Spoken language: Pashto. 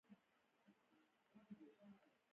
بل به له بلې خوا نارې وهلې.